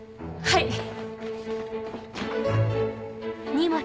はい！